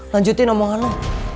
lanjutin omongan lu